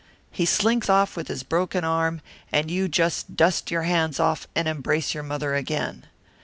He slinks off with his broken arm, and you just dust your hands off and embrace your mother again.